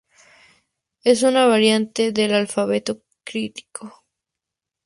Es una variante del alfabeto cirílico.